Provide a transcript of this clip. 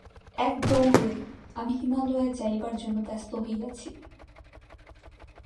এক দৌড়ে আমি হিমালয়ে যাইবার জন্য ব্যস্ত হইয়াছি।